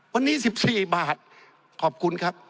วันนี้๑๔บาทขอบคุณครับ